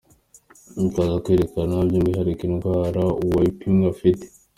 ikaza kwerekana by’umwihariko indwara uwapimwe afite.